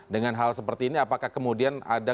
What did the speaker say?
dengan hal seperti ini apakah kemudian ada